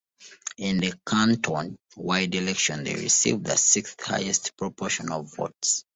In the canton-wide election they received the sixth highest proportion of votes.